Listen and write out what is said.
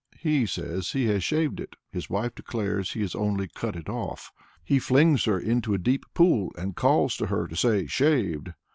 He says he has shaved it, his wife declares he has only cut it off. He flings her into a deep pool, and calls to her to say "shaved."